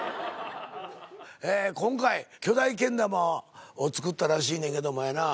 ええ今回巨大けん玉を作ったらしいねんけどもやなぁ。